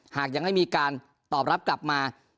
หากยังไม่มีการตอบรับกลับมา